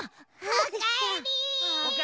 おかえり！